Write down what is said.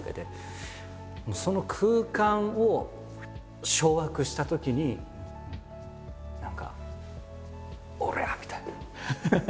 その空間を掌握したときに何かおりゃ！みたいな。